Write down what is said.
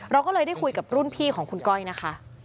เราก็เลยได้คุยกับรุ่นพี่ของคุณก้อยนะคะ